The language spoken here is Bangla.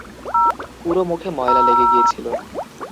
পুরো মুখে ময়লা লেগে গিয়েছিল।